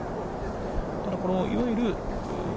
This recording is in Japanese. ただ、いわゆる。